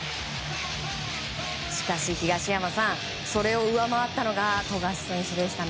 しかし東山さんそれを上回ったのが富樫選手でしたね。